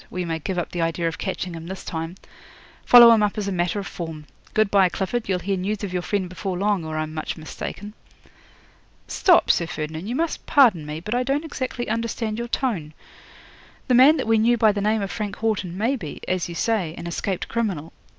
We may give up the idea of catching him this time. Follow him up as a matter of form. Good bye, Clifford. You'll hear news of your friend before long, or I'm much mistaken." '"Stop, Sir Ferdinand, you must pardon me; but I don't exactly understand your tone. The man that we knew by the name of Frank Haughton may be, as you say, an escaped criminal.